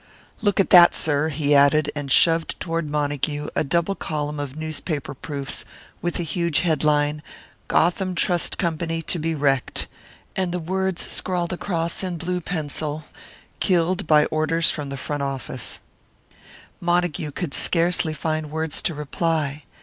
"Look at that, sir," he added, and shoved toward Montague a double column of newspaper proofs, with a huge head line, "Gotham Trust Company to be Wrecked," and the words scrawled across in blue pencil, "Killed by orders from the office." Montague could scarcely find words to reply.